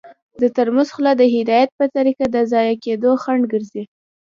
د ترموز خوله د هدایت په طریقه د ضایع کیدو خنډ ګرځي.